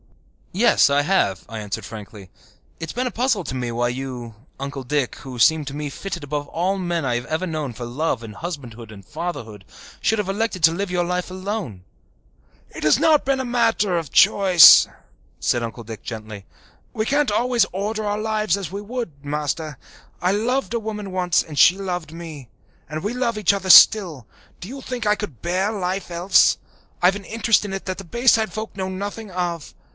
"Yes, I have," I answered frankly. "It has been a puzzle to me why you, Uncle Dick, who seem to me fitted above all men I have ever known for love and husbandhood and fatherhood, should have elected to live your life alone." "It has not been a matter of choice," said Uncle Dick gently. "We can't always order our lives as we would, Master. I loved a woman once and she loved me. And we love each other still. Do you think I could bear life else? I've an interest in it that the Bayside folk know nothing of.